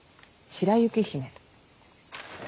白雪姫。